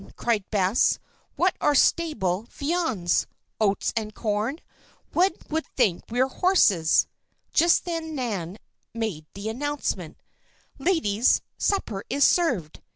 cried Bess. "What are 'stable viands'? Oats and corn. One would think we were horses." Just then Nan made the announcement: "Ladies, supper is served."